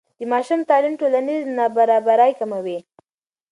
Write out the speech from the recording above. د ماشوم تعلیم ټولنیز نابرابري کموي.